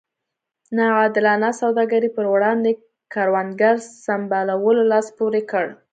نا عادلانه سوداګرۍ پر وړاندې کروندګرو سمبالولو لاس پورې کړ.